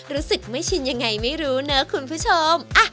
รู้สึกไม่ชินยังไงไม่รู้นะคุณผู้ชม